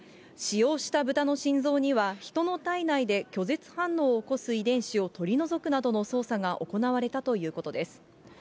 使用した豚の心臓には、人の体内で拒絶反応を起こす遺伝子を取り除くなどの操作が行われたということです。